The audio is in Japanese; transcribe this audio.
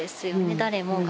誰もが。